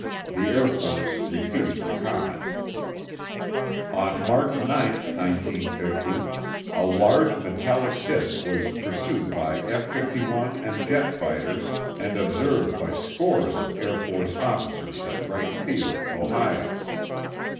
The Air Force refused to comment. On March 9, 1950, a large metallic disk was pursued by F 51 and jet fighters and observed by scores of Air Force officers at Wright Field, Ohio.